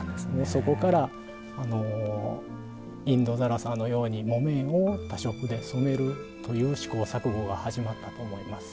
そこからインド更紗のように木綿を多色で染めるという試行錯誤が始まったと思います。